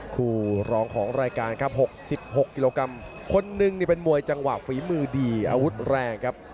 คู่รองของรายการครับ๖๖กิโลกรัมคนนึงนี่เป็นมวยจังหวะฝีมือดีอาวุธแรงครับ